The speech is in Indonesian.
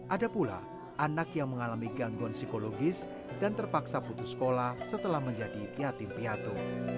ada pula anak yang mengalami gangguan psikologis dan terpaksa putus sekolah setelah menjadi yatim piatu